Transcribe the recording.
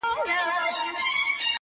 رویباری د بېګانه خلکو تراب کړم.!